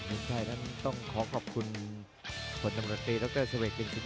จังหวาดึงซ้ายตายังดีอยู่ครับเพชรมงคล